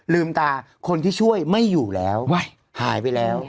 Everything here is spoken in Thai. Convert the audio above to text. ลืมตาคนที่ช่วยไม่อยู่แล้วหายไปแล้ว